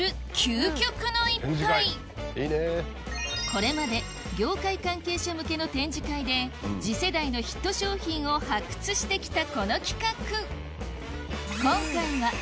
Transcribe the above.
これまで業界関係者向けの展示会で次世代のヒット商品を発掘してきたこの企画